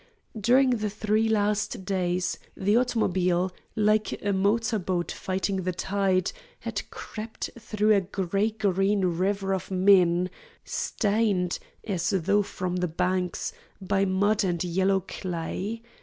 During the three last days the automobile, like a motor boat fighting the tide, had crept through a gray green river of men, stained, as though from the banks, by mud and yellow clay.